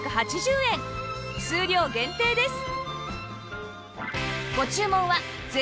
数量限定です